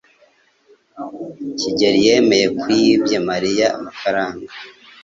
Kigeri yemeye ko yibye Mariya amafaranga.